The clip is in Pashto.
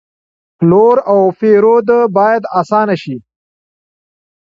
پلور او پېرود باید آسانه شي.